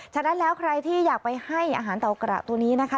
ฉะนั้นแล้วใครที่อยากไปให้อาหารเต่ากระตัวนี้นะคะ